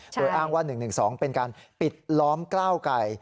โดยอ้างว่า๑๑๒เป็นการปิดล้อมกล้าวไก่